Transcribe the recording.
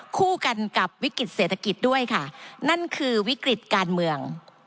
คู่กันกับวิกฤตเศรษฐกิจด้วยค่ะนั่นคือวิกฤติการเมือง